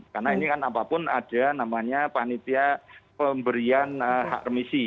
karena ini kan apapun ada namanya panitia pemberian hak remisi